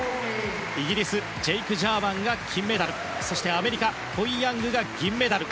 イギリスジェイク・ジャーマンが金メダルそしてアメリカ、コイ・ヤングが銀メダル。